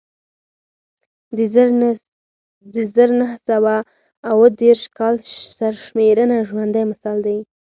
د زر نه سوه اووه دېرش کال سرشمېرنه ژوندی مثال دی